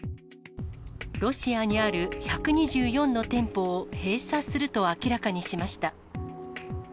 ロシアにある１２４の店舗を閉鎖すると明らかにしました。